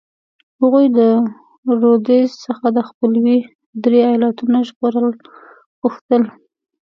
هغوی د رودز څخه د خپلو درې ایالتونو ژغورل غوښتل.